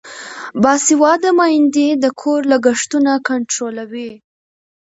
باسواده میندې د کور لګښتونه کنټرولوي.